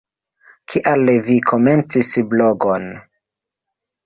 Kial vi komencis blogon?